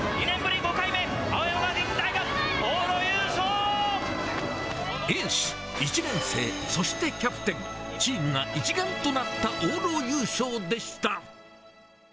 ２年ぶり５回目、青山学院大エース、１年生、そしてキャプテン、チームが一丸となった往路優勝でした。